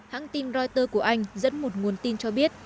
hãng tin reuters của anh dẫn một nguồn tin cho biết